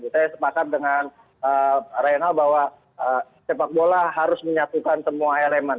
saya sepakat dengan reynal bahwa sepak bola harus menyatukan semua elemen